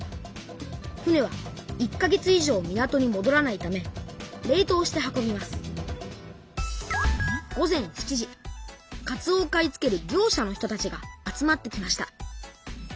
船は１か月以上港にもどらないため冷とうして運びますかつおを買い付ける業者の人たちが集まってきました。